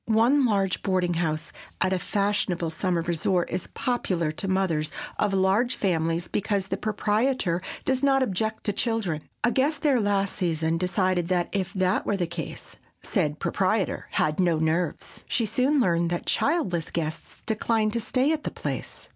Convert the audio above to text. One large boarding house at a fashionable summer resort is popular to mothers of large families because the proprietor does not object to children. A guest there last season decided that if that were the case said proprietor had no nerves. She soon learned that childless guests declined to stay at the place.